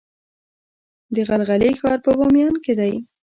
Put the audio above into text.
د غلغلې ښار په بامیان کې دی